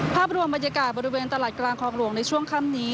ภาพรวมบรรยากาศบริเวณตลาดกลางคลองหลวงในช่วงค่ำนี้